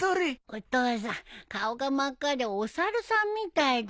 お父さん顔が真っ赤でお猿さんみたいだよ。